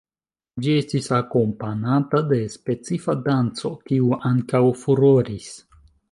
Ĝi estis akompanata de specifa danco, kiu ankaŭ furoris.